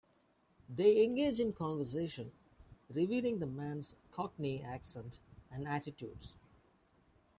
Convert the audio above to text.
They engage in conversation, revealing the man's Cockney accent and attitudes.